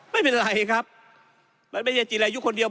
ไม่เป็นไรครับมันไม่ใช่จีรายุคนเดียว